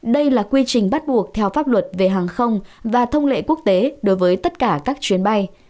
đây là quy trình bắt buộc theo pháp luật về hàng không và thông lệ quốc tế đối với tất cả các chuyến bay